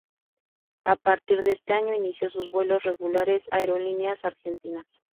A partir de ese año, inició sus vuelos regulares Aerolíneas Argentinas.